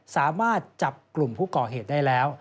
สามารถจับกลุ่มผู้ก่อเหตุได้แล้ว